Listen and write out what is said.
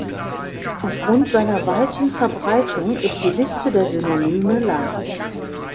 Aufgrund seiner weiten Verbreitung ist die Liste der Synonyme lang.